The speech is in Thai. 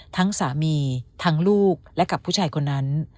ทั้งสามีทั้งลูกและกับผู้ชายคนนั้น